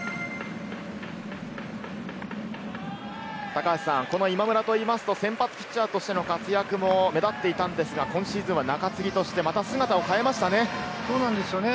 高橋さん、今村といいますと、先発ピッチャーとしての活躍も目立っていたんですが、今シーズンは中継ぎとしてまた姿を変えましそうなんですよね。